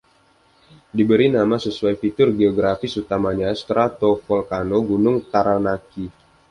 Diberi nama sesuai fitur geografis utamanya, stratovolcano Gunung Taranaki.